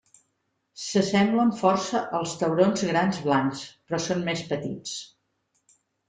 Se semblen força als taurons Grans Blancs, però són més petits.